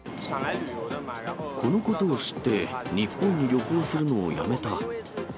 このことを知って、日本に旅行するのをやめた。